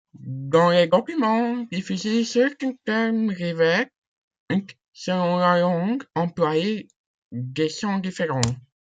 Dans les documents diffusés certains termes revêtent, selon la langue employée, des sens différents.